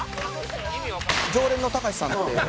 「常連のたかしさん」って。